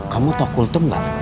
kamu tau kultum gak